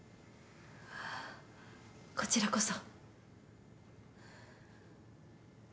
こちらこそ。